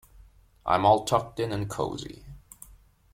I'm all tucked in and cosy.